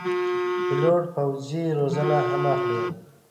پیلوټ پوځي روزنه هم اخلي.